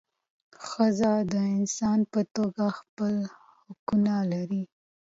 ښځه د انسان په توګه خپل حقونه لري.